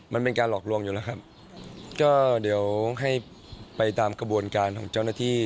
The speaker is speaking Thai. มันเป็นการหลอกลวงอยู่แล้วครับก็เดี๋ยวให้ไปตามกระบวนการของเจ้าหน้าที่